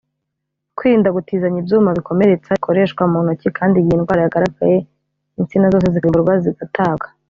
kwirinda gutizanya ibyuma bikomeretsa bikoreshwa mu ntoki kandi igihe indwara yagaragaye insina zose zikarimburwa zigatabwa